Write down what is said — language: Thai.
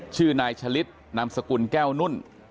ชื่อนายฉลิดนามสกุลแก้วนุ่น